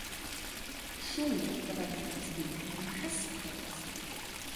Schulleiter war damals Wilhelm Kaspers.